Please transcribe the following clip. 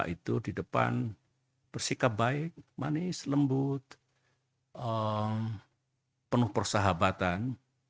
itu di depan bersikap baik manis lembut penuh persahabatan